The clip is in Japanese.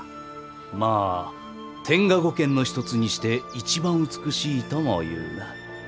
まあ天下五剣の一つにして一番美しいともいうな。